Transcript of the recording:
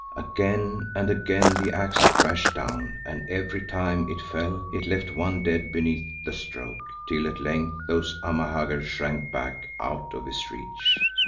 Again and again the axe crashed down and every time it fell it left one dead beneath the stroke, till at length those Amahagger shrank back out of his reach.